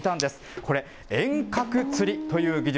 これ、遠隔釣りという技術。